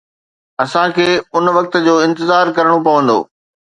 اسان کي ان وقت جو انتظار ڪرڻو پوندو.